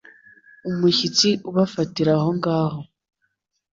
Umushyitsi ubafatira aho ngaho